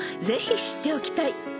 ぜひ知っておきたい］